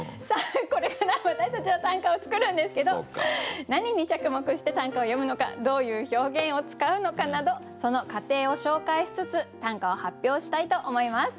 これから私たちは短歌を作るんですけど何に着目して短歌を詠むのかどういう表現を使うのかなどその過程を紹介しつつ短歌を発表したいと思います。